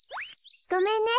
ごめんね。